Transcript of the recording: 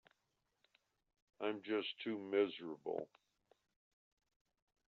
I'm just too miserable.